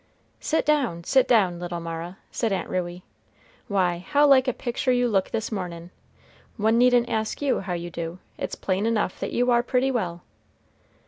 "Sit down, sit down, little Mara," said Aunt Ruey. "Why, how like a picture you look this mornin', one needn't ask you how you do, it's plain enough that you are pretty well."